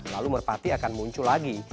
lalu merpati akan muncul lagi